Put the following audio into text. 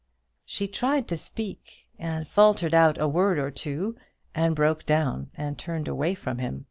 She tried to speak, and faltered out a word or two, and broke down, and turned away from him.